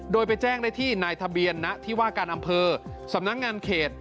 โดยไปแจ้งได้ที่นายทะเบียนณที่ว่าการอำเภอสำนักงานเขต